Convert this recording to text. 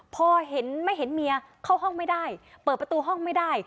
พอเห็นไม่เห็นเมียเข้าห้องไม่ได้เปิดประตูห้องไม่ได้